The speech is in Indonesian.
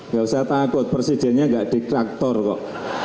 gak usah takut presidennya gak dikraktor kok